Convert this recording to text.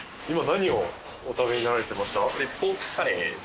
今何をお食べになられてました？